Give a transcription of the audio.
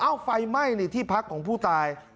อ้าวไฟไหม้ที่พักของผู้ตาย